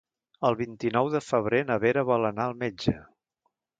El vint-i-nou de febrer na Vera vol anar al metge.